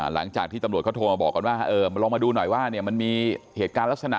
หลังจากที่ตำรวจเขาโทรมาบอกกันว่าลองมาดูหน่อยว่ามันมีเหตุการณ์ลักษณะ